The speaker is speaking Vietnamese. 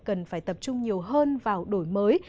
cần phải tập trung nhiều hơn vào đổi mới